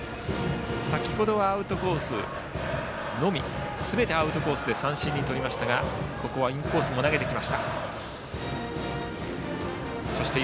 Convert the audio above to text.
先ほどはすべてアウトコースで三振にとりましたがここはインコースも投げてきました。